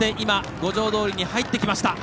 五条通に入ってきました。